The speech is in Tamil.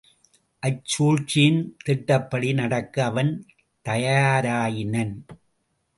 அச்சூழ்ச்சியின் திட்டப்படி நடக்க அவன் தயாராயினன்.